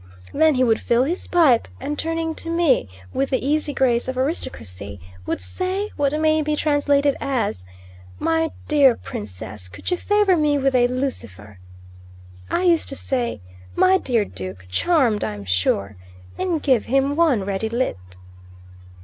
Then he would fill his pipe, and turning to me with the easy grace of aristocracy, would say what may be translated as "My dear Princess, could you favour me with a lucifer?" I used to say, "My dear Duke, charmed, I'm sure," and give him one ready lit.